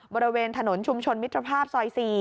บริเวณถนนชุมชนมิตรภาพซอย๔